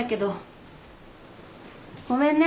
ごめんね。